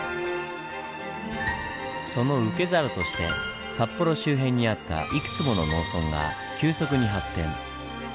その受け皿として札幌周辺にあったいくつもの農村が急速に発展。